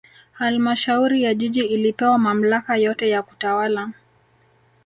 halmashauri ya jiji ilipewa mamlaka yote ya kutawala